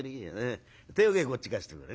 手おけこっち貸してくれ。